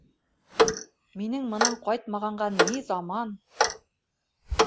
Минең мынан ҡайтмағанға ни заман?!